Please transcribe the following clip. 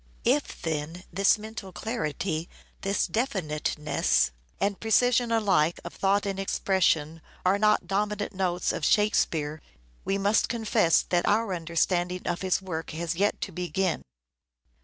If, then, this mental clarity, this definiteness and precision alike of thought and expression, are not dominant notes of " Shakespeare," we must confess that our understanding of his work has yet to begin.